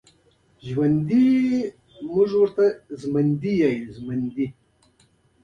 په عملیه کې د ناڅاپي بدلون له امله جینونه سره جلا کېږي.